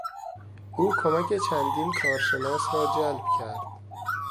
او کمک چندین کارشناس را جلب کرد.